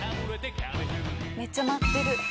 めっちゃ舞ってる。